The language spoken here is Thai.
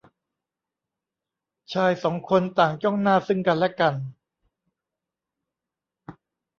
ชายสองคนต่างจ้องหน้าซึ่งกันและกัน